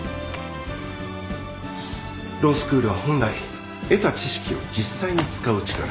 ロースクールは本来得た知識を実際に使う力。